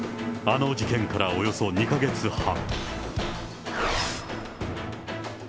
あの事件からおよそ２か月半。